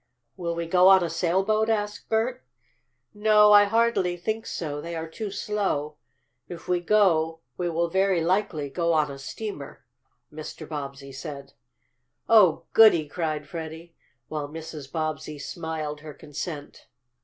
"Will we go on a sailboat?" asked Bert. "No, I hardly think so. They are too slow. If we go we will, very likely, go on a steamer," Mr. Bobbsey said. "Oh, goody!" cried Freddie, while Mrs. Bobbsey smiled her consent.